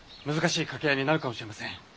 難しい掛け合いになるかもしれません。